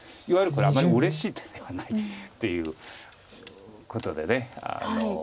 いわゆるこれあまりうれしい手ではないということで。